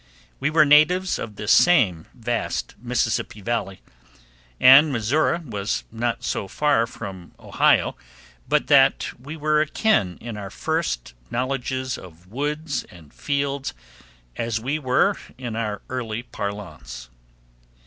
We were natives of the same vast Mississippi Valley; and Missouri was not so far from Ohio but that we were akin in our first knowledges of woods and fields as we were in our early parlance.